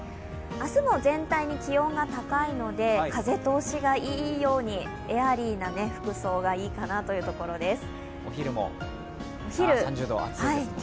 明日も全体に気温が高いので風通しがいいようにエアリーな服装がいいかなというところです。